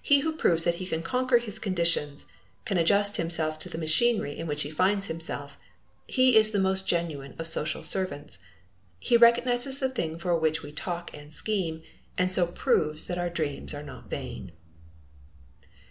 He who proves that he can conquer his conditions, can adjust himself to the machinery in which he finds himself, he is the most genuine of social servants. He realizes the thing for which we talk and scheme, and so proves that our dreams are not vain!